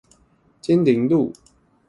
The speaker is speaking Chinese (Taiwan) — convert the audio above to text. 金陵路